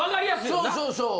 そうそうそう。